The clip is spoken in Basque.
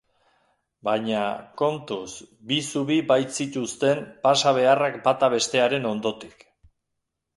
Baina, kontuz, bi zubi baitzituzten pasa beharrak bata bestearen ondotik.